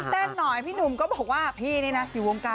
เทปนี้ดูอยู่